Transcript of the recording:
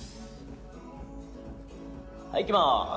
はいいきます。